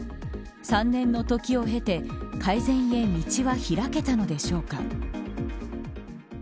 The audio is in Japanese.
３年の時を経て改善へ道は開けたのでしょうか。